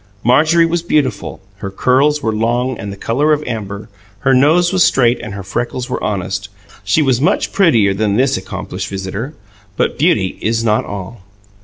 Marjorie was beautiful; her curls were long and the colour of amber; her nose was straight and her freckles were honest; she was much prettier than this accomplished visitor. But beauty is not all.